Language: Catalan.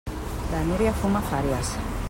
La Núria fuma fàries.